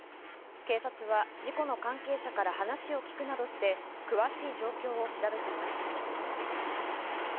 警察は事故の関係者から話を聞くなどして詳しい状況を調べています。